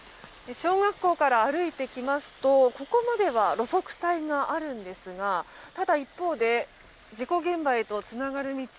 小学校から歩いてきますとここまでは路側帯があるんですがただ一方で事故現場へとつながる道。